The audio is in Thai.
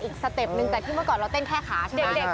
อีกสเตพหนึ่งแต่ที่มาก่อนเราเต้นแค่ขาใช่ไหม